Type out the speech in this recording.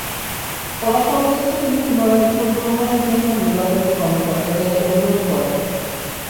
ফলাফল দেখে তিনি পুনরায় ভোট গ্রহণের জন্য নির্বাচনী কর্মকর্তাদের অনুরোধ করেন।